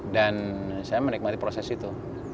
dan saya menikmati proses itu